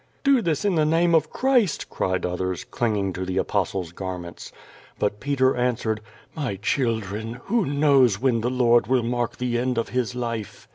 '^\ "Do this in the name of Chrisv' cried others, clinging to tlic Apostle's garments. But Petes^swered: "My children, who knows when the Lord will mark the end of His life."